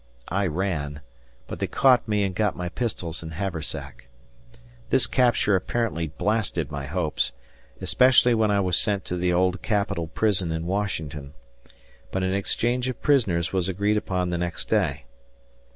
I ran, but they caught me and got my pistols and haversack. This capture apparently blasted my hopes, especially when I was sent to the Old Capitol Prison in Washington, but an exchange of prisoners was agreed upon the next day.